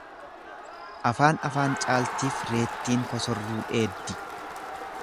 Afaan afaan caaltiif reettiin kosorruu dheeddi.